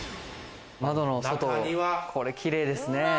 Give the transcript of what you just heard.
窓の外、これ綺麗ですね。